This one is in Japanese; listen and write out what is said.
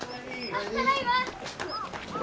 あっただいま。